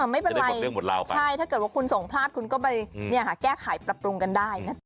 ไม่เป็นไรใช่ถ้าเกิดว่าคุณส่งพลาดคุณก็ไปแก้ไขปรับปรุงกันได้นะจ๊